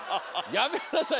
やめなさい！